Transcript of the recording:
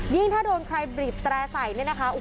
ยิ่งถ้าโดนใครบรีบแตรใส่นี่นะคะ